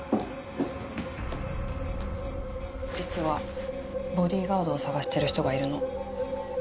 実はボディーガードを探してる人がいるの。